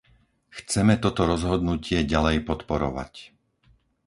Chceme toto rozhodnutie ďalej podporovať.